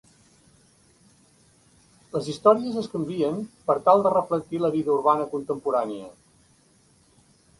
Les històries es canvien per tal de reflectir la vida urbana contemporània.